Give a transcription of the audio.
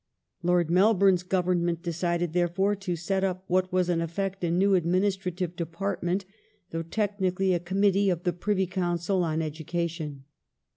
^ Lord Melbourne's Government decided, therefore, to set up what was in effect a new administrative department, though technically a Committee of the Privy Council on Education.